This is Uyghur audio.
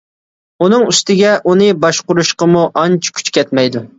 ئۇنىڭ ئۈستىگە ئۇنى باشقۇرۇشقىمۇ ئانچە كۈچ كەتمەيدۇ.